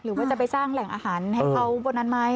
หรือว่าจะไปสร้างแหล่งอาหารให้เขาบนนั้นไหม